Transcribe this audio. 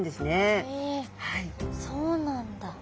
えそうなんだ。